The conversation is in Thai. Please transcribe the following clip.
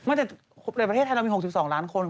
ในประเทศไทยเรามี๖๒ล้านคน